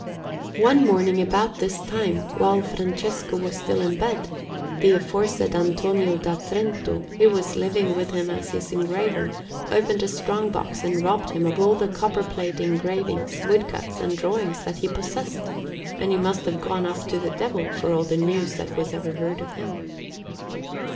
One morning about this time, while Francesco was still in bed, the aforesaid Antonio da Trento, who was living with him as his engraver, opened a strong box and robbed him of all the copper plate engravings, woodcuts, and drawings that he possessed; and he must have gone off to the Devil, for all the news that was ever heard of him.